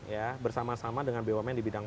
ya bersama sama dengan bumn di bidang